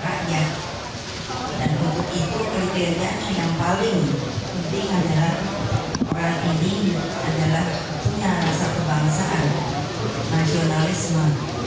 adalah penyelenggaraan kebangsaan marginalisme